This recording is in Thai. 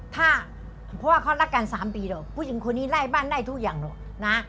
ถ้าเพราะว่าเขารักกัน๓ปีหรอกผู้หญิงคนนี้ไล่บ้านไล่ทุกอย่างหรอกนะ